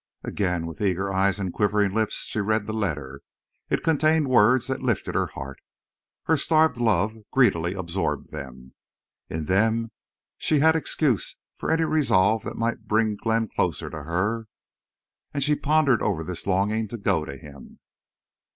Again, with eager eyes and quivering lips, she read the letter. It contained words that lifted her heart. Her starved love greedily absorbed them. In them she had excuse for any resolve that might bring Glenn closer to her. And she pondered over this longing to go to him.